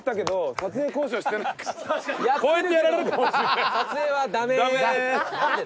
撮影はダメ。